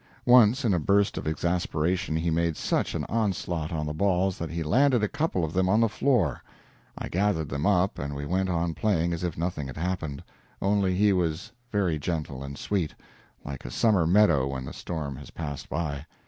Once in a burst of exasperation he made such an onslaught on the balls that he landed a couple of them on the floor. I gathered them up and we went on playing as if nothing had happened, only he was very gentle and sweet, like a summer meadow when the storm has passed by.